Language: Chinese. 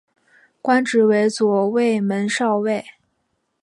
官职为左卫门少尉。